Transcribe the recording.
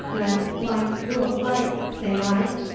Let like rule like, say I.